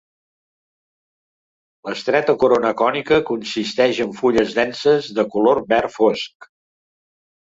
L'estreta corona cònica consisteix en fulles denses de color verd fosc.